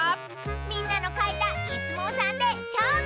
みんなのかいたイスもうさんでしょうぶ！